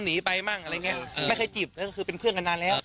หนึ่ง